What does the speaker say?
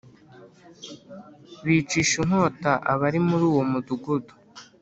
bicisha inkota abari muri uwo mudugudu